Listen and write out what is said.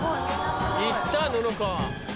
行った布川！